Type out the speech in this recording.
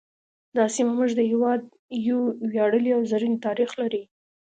دا سیمه زموږ د هیواد یو ویاړلی او زرین تاریخ لري